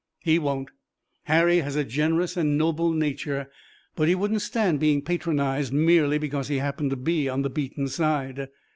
"He won't. Harry has a generous and noble nature. But he wouldn't stand being patronized, merely because he happened to be on the beaten side."